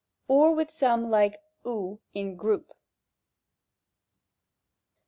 or with some like ou in group.